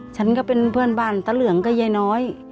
ฉันก็เป็นเพื่อนบ้านตะเหลืองกับยายน้อย